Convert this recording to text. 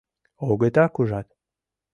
Огытак, ужат...